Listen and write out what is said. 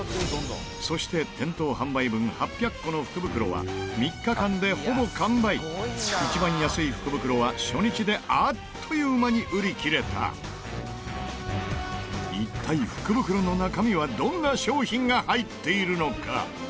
そして店頭販売分８００個の福袋は３日間で、ほぼ完売一番安い福袋は、初日であっという間に売り切れた一体、福袋の中身はどんな商品が入っているのか？